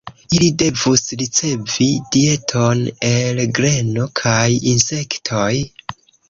Ili devus ricevi dieton el greno kaj insektoj.